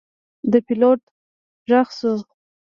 د پیلوټ غږ شو.